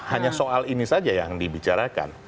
hanya soal ini saja yang dibicarakan